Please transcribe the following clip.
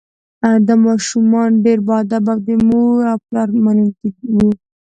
دا ماشومان ډیر باادبه او د مور او پلار منونکي وو